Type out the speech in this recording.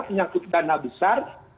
menyangkut dana besar